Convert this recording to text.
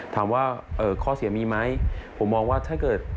ถามว่าข้อเสียมีไหมผมมองว่าถ้าเกิด